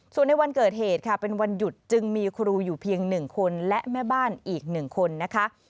ส่วนในวันเกิดเหตุค่ะเป็นวันหยุดจึงมีครูอยู่เพียง๑คนและแม่บ้านอีก๑คนนะคะ